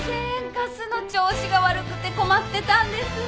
ガスの調子が悪くて困ってたんです。